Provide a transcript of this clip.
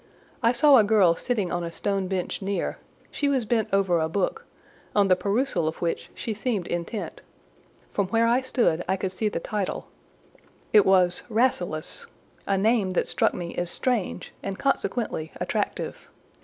I saw a girl sitting on a stone bench near; she was bent over a book, on the perusal of which she seemed intent: from where I stood I could see the title—it was "Rasselas;" a name that struck me as strange, and consequently attractive.